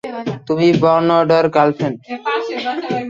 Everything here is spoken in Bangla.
তুমি বার্নার্ডোর গার্লফ্রেন্ড।